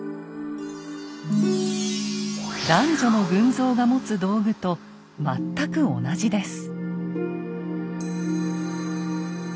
男女の群像が持つ道具と全く同じです。